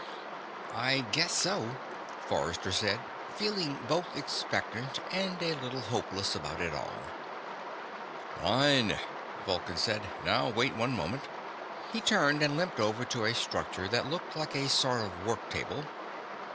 "I guess so," Forrester said, feeling both expectant and a little hopeless about it all. "Fine," Vulcan said. "Now wait one moment." He turned and limped over to a structure that looked like a sort of worktable.